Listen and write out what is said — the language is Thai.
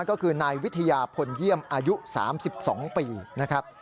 ก็คือนายวิทยาพลเยี่ยมอายุ๓๒ปีนะครับ